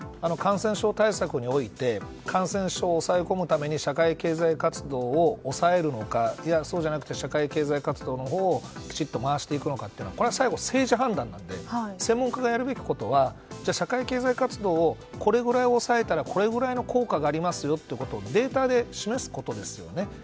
感染症対策において感染症を抑え込むために社会経済活動を抑えるのかそうじゃなくて社会経済活動のほうをきちっと回していくのかこれは最後は政治判断で専門家がやるべきことは社会経済活動をこれぐらい抑えたらこれくらいの効果がありますよとデータでしめすことですよね。